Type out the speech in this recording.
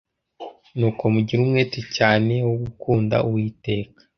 Nuko mugire umwete cyane wo gukunda Uwiteka